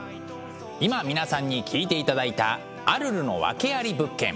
今皆さんに聴いていただいた「アルルの訳あり物件」。